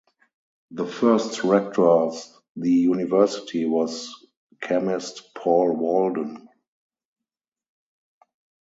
The first rector of the university was chemist Paul Walden.